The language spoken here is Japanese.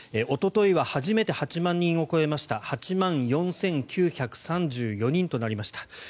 おとといは初めて８万人を超えました８万４９３４人となりました。